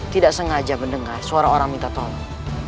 tidak sengaja mendengar suara orang minta tolong